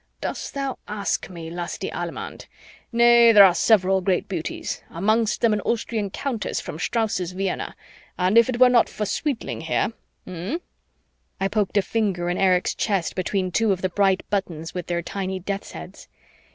"Dost thou ask me, lusty Allemand? Nay, there are several great beauties, amongst them an Austrian countess from Strauss's Vienna, and if it were not for sweetling here ... Mnnnn." I poked a finger in Erich's chest between two of the bright buttons with their tiny death's heads.